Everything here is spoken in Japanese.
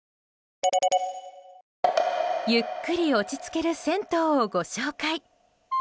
ゆっくり落ち着ける銭湯をご紹介。